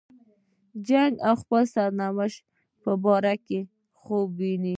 د جنګ او خپل سرنوشت په باره کې خوب ویني.